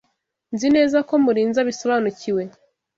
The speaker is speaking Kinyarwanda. Nzi neza ko Murinzi abisobanukiwe.